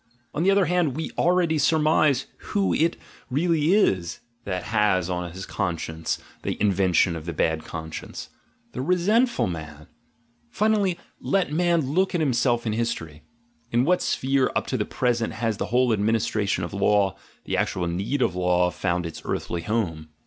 On the other hand, we already surmise who it really is that has on his conscience the invention of the "bad conscience," — the resentful man ! Finally, let man look at himself in history. In what sphere up to the present has the whole adminis tration of law, the acutal need of law, found its earthly home?